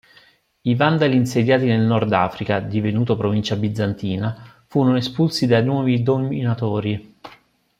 I Vandali insediati nel Nord Africa, divenuto provincia bizantina, furono espulsi dai nuovi dominatori.